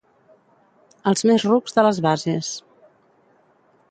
Els més rucs de les bases.